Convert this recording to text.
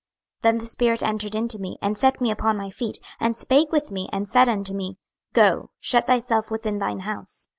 26:003:024 Then the spirit entered into me, and set me upon my feet, and spake with me, and said unto me, Go, shut thyself within thine house.